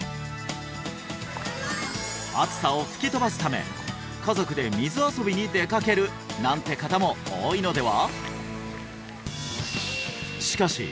暑さを吹き飛ばすため家族で水遊びに出かけるなんて方も多いのでは？